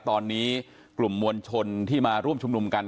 ตอนนี้กลุ่มมวลชนที่มาร่วมชุมนุมกัน